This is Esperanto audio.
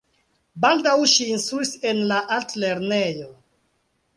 Baldaŭ ŝi instruis en la altlernejo.